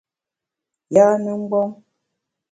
Yâne mgbom !